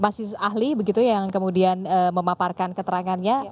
masih ahli begitu yang kemudian memaparkan keterangannya